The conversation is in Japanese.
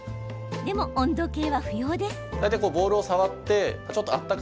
でも温度計は不要です。